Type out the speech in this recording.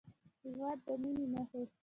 د هېواد د مینې نښې